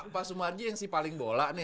pak sumarji yang si paling bola nih